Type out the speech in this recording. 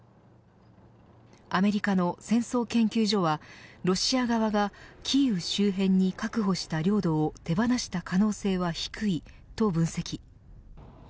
アメリカの戦争研究所はロシア側がキーウ周辺に確保した領土を手放した可能性は低いと分析。